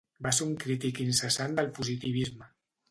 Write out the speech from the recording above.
Va ser un crític incessant del positivisme.